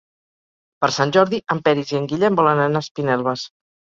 Per Sant Jordi en Peris i en Guillem volen anar a Espinelves.